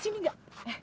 turut sini gak